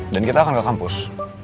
dan kita akan ke kampus